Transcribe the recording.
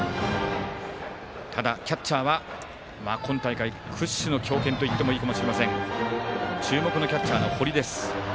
キャッチャーは今大会屈指の強肩といってもいいかもしれません注目のキャッチャーの堀です。